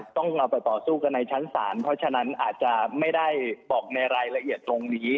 ต้องเราไปต่อสู้กันในชั้นศาลเพราะฉะนั้นอาจจะไม่ได้บอกในรายละเอียดตรงนี้